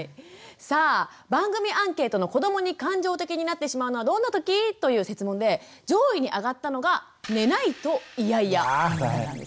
さあ番組アンケートの「子どもに感情的になってしまうのはどんなとき？」という設問で上位に上がったのが「寝ない」と「イヤイヤ」だったんですね。